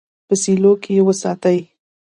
په سیلو کې یې وساتي.